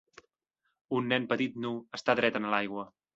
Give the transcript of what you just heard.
Un nen petit nu està dret en l'aigua.